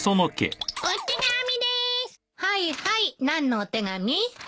はいはい何のお手紙？